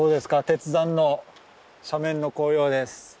鉄山の斜面の紅葉です。